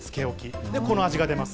それでこの味が出ます。